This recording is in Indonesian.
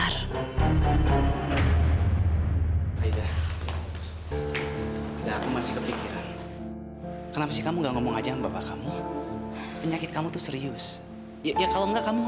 rahasia perusahaan tau